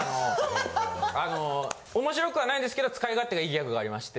あの面白くはないんですけど使い勝手がいいギャグがありまして。